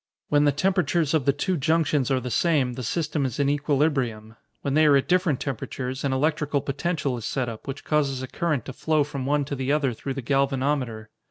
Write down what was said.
When the temperatures of the two junctions are the same, the system is in equilibrium. When they are at different temperatures, an electrical potential is set up, which causes a current to flow from one to the other through the galvanometer.